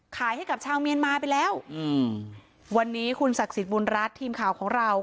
ขายให้กับชาวเมียนมาไปแล้วอืมวันนี้คุณศักดิ์สิทธิ์บุญรัฐทีมข่าวของเรา